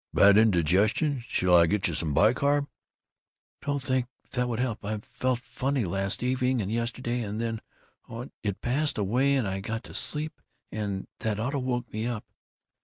"Bad indigestion? Shall I get you some bicarb?" "Don't think that would help. I felt funny last evening and yesterday, and then oh! it passed away and I got to sleep and That auto woke me up."